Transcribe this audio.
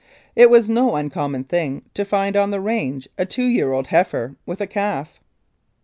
It was no uncommon thing to find on the range a two year old heifer with a calf.